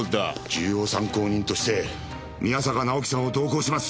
重要参考人として宮坂直樹さんを同行します。